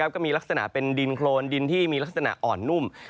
ก็มีลักษณะเป็นดินโครนดินที่มีลักษณะอ่อนนุ่ม